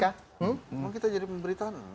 emang kita jadi pemberitaan